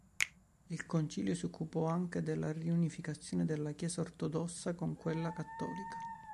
Il concilio si occupò anche della riunificazione della Chiesa ortodossa con quella cattolica.